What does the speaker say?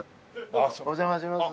お邪魔します。